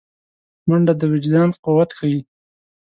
منډه د وجدان قوت ښيي